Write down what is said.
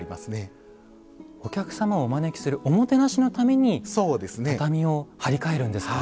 お客様をお招きするおもてなしのために畳を張り替えるんですか。